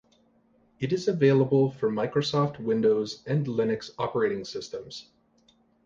It is available for Microsoft Windows and Linux operating systems.